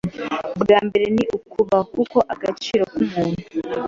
bwa mbere ni ukubaho kuko agaciro ka muntu